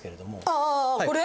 ああこれ？